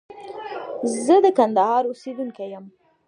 زه د کندهار اوسيدونکي يم.